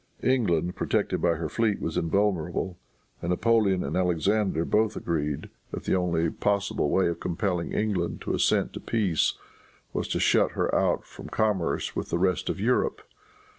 England, protected by her fleet, was invulnerable; and Napoleon and Alexander both agreed that the only possible way of compelling England to assent to peace, was to shut her out from commerce with the rest of Europe.